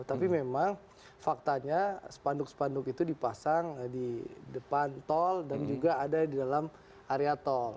tapi memang faktanya spanduk spanduk itu dipasang di depan tol dan juga ada di dalam area tol